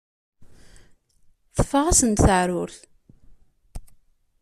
Teffeɣ-asen-d teεrurt.